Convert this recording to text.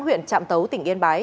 huyện trạm tấu tỉnh yên bái